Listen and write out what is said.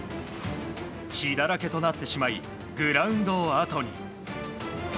血だらけとなってしまいグラウンドをあとに。